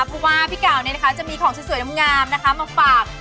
เพราะว่าพี่ก่าวเนี่ยนะคะจะมีของสวยน้ำงามนะคะมาฝาก